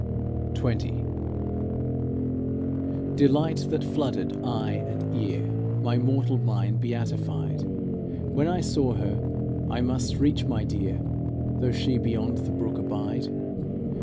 XX Delight that flooded eye and ear My mortal mind beatified; When I saw her, I must reach my dear, Though she beyond the brook abide.